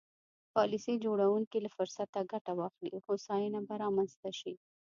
پالیسي جوړوونکي له فرصته ګټه واخلي هوساینه به رامنځته شي.